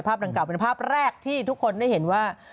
ดังกล่าเป็นภาพแรกที่ทุกคนได้เห็นว่า